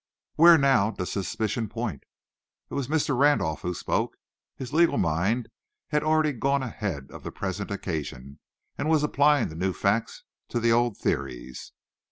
"Where now does suspicion point?" It was Mr. Randolph who spoke. His legal mind had already gone ahead of the present occasion, and was applying the new facts to the old theories.